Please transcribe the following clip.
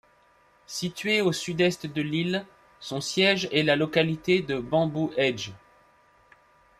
Situé au sud-est de l'île, son siège est la localité de Bamboo Hedge.